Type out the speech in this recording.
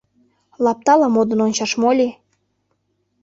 — Лаптала модын ончаш мо-ли?